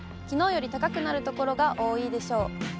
きのうより高くなる所が多いでしょう。